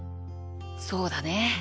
そうだね。